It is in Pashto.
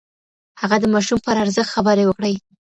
هغه د ماشوم پر ارزښت خبرې وکړې.